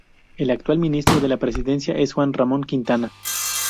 El actual Ministro de la Presidencia es Juan Ramón Quintana.